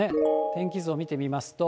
天気図を見てみますと。